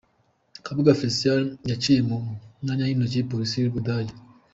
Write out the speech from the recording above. Kabuga Félicien yaciye mu myanya y’intoki Polisi y’u Budage